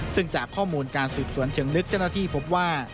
ซึ่งจากข้อมูลการสืบสวนเชิงลึกเจ้าหน้าที่พบว่า